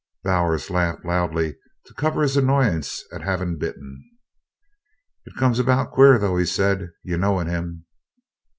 Bowers laughed loudly to cover his annoyance at having bitten. "It's come about queer, though," he said, "your knowin' him."